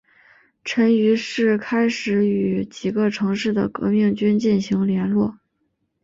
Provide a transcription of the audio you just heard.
陈于是开始与几个城市的革命者进行联络。